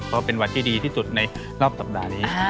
เพราะเป็นวันที่ดีที่สุดในรอบสัปดาห์นี้